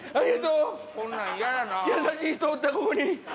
優しい人おったここに。